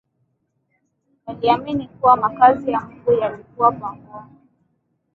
Waliamini kuwa makazi ya Mungu yalikuwa pangoni